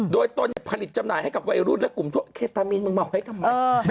โดยตนเนี่ยผลิตจำหน่ายให้กับวัยรุ่นและกลุ่มทั่วเคตามีนมึงมาไว้ทำไม